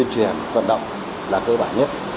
chuyển vận động là cơ bản nhất